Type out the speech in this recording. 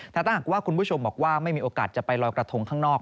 แต่ถ้าหากว่าคุณผู้ชมบอกว่าไม่มีโอกาสจะไปลอยกระทงข้างนอก